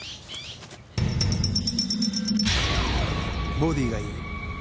ボディーがいい？